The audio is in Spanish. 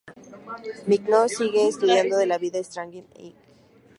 McKinnon sigue un estilo de vida "straight edge".